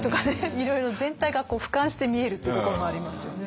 いろいろ全体がふかんして見えるってところもありますよね。